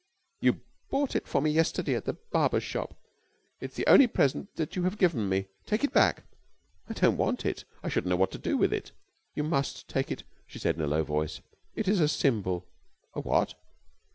"You bought it for me yesterday at the barber's shop. It is the only present that you have given me. Take it back." "I don't want it. I shouldn't know what to do with it." "You must take it," she said in a low voice. "It is a symbol." "A what?"